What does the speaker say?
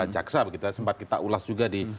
caksa begitu ya sempat kita ulas juga di